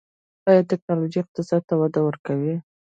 آیا ټیکنالوژي اقتصاد ته وده ورکوي؟